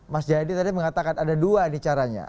mas jaya di tadi mengatakan ada dua nih caranya